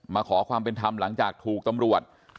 ขอความเป็นธรรมหลังจากถูกตำรวจ